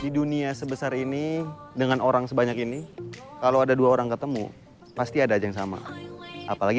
di dunia sebesar ini dengan orang sebanyak ini kalau ada dua orang ketemu pasti ada aja yang sama apalagi